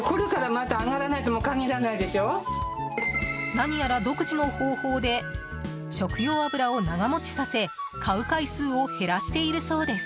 何やら独自の方法で食用油を長持ちさせ買う回数を減らしているそうです。